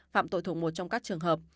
phạm tội thuộc một trong các trường hợp